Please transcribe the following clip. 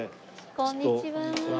こんにちは。